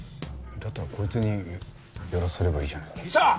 だったらこいつにやらせればいいじゃないですか。